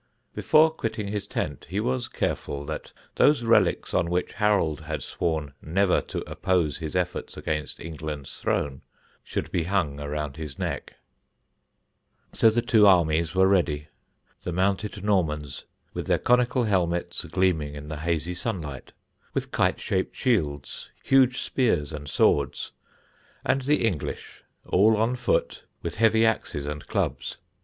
Before quitting his tent, he was careful that those relics on which Harold had sworn never to oppose his efforts against England's throne should be hung around his neck. [Sidenote: TAILLEFER] So the two armies were ready the mounted Normans, with their conical helmets gleaming in the hazy sunlight, with kite shaped shields, huge spears and swords; the English, all on foot, with heavy axes and clubs.